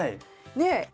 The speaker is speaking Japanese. ねえ！